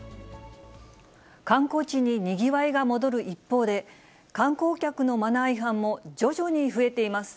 観光地ににぎわいが戻る一方で、観光客のマナー違反も徐々に増えています。